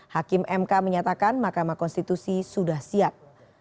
hakim mk menyatakan mahkamah konstitusi sudah siap